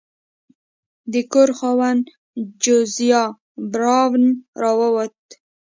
د کور خاوند جوزیا براون راووت.